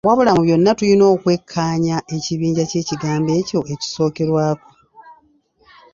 Wabula mu byonna tulina okwekkaanya ekibinja ky’ekigambo ekyo ekisookerwako.